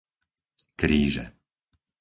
Kríže